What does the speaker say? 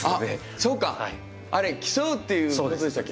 そうか競うっていうことでしたっけ。